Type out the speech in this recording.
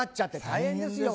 大変ですよ